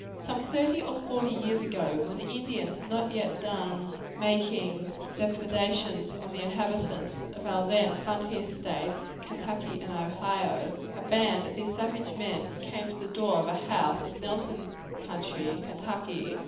Some thirty or forty years ago, when the Indians had not yet done making depredations on the inhabitants of our then frontier states, Kentucky and Ohio, a band of these savage men came to the door of a house in Nelson county, Ky.